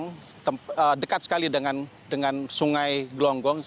yang dekat sekali dengan sungai glonggong